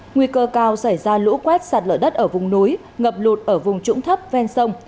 nguy cơ cao xảy ra lũ quét sạt lở đất ở vùng núi ngập lụt ở vùng trũng thấp ven sông